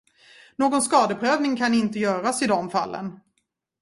Någon skadeprövning kan inte göras i de fallen.